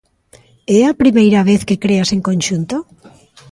É a primeira vez que creas en conxunto?